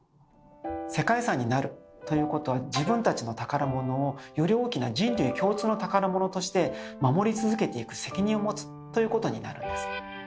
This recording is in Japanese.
世界遺産になるということは自分たちの宝物をより大きな人類共通の宝物として守り続けていく責任を持つということになるんです。